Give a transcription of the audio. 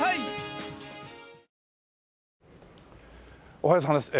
おはようさんです。